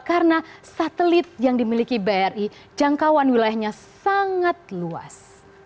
karena satelit yang dimiliki bri jangkauan wilayahnya sangat luas